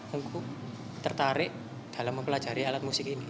yang tertarik dalam mempelajari alat musik ini